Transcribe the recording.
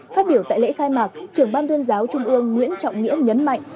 phát biểu tại lễ khai mạc trưởng ban tuyên giáo trung ương nguyễn trọng nghĩa nhấn mạnh